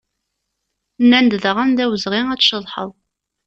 Nnan-d daɣen d awezɣi ad tceḍḥeḍ.